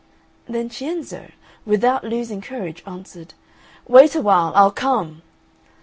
Then Cienzo, without losing courage, answered, "Wait awhile, I'll come."